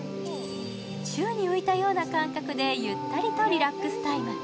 宙に浮いたような感覚でゆっくりとリラックスタイム。